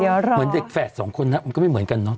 เหมือนเด็กแฝดสองคนนะมันก็ไม่เหมือนกันเนาะ